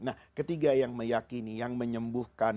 nah ketiga yang meyakini yang menyembuhkan